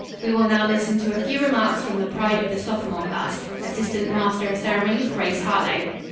We will now listen to a few remarks from the pride of the sophomore class, Assistant Master of Ceremonies Grace Harlowe."